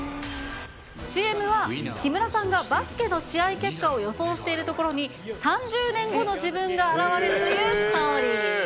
ＣＭは、木村さんがバスケの試合結果を予想しているところに、３０年後の自分が現れるというストーリー。